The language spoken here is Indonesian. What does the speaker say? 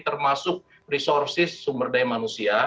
termasuk sumber daya manusia